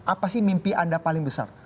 apa sih mimpi anda paling besar